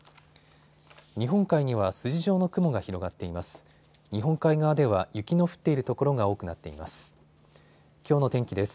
日本海には筋状の雲が広がっています。